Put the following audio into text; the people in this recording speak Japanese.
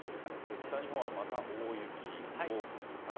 北日本はまた大雪、暴風、高波。